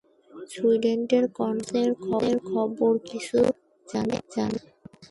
সুইডেনের কনফারেন্সের খবর কিছু জানেন?